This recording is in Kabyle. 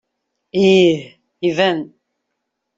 Ih, iban.